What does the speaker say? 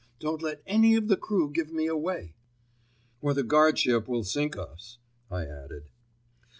Don't let any of the crew give me away." "Or the guardship will sink us," I added.